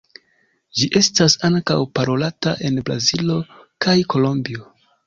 Ĝi estas ankaŭ parolata en Brazilo kaj Kolombio.